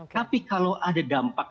tapi kalau ada dampak